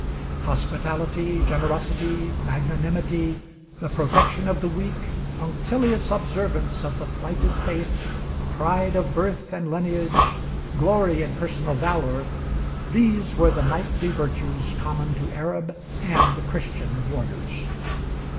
Hospitality, generosity, magnanimity, the protection of the weak, punctilious observance of the plighted faith, pride of birth and lineage, glory in personal valor these were the knightly virtues common to Arab and Christian warriors.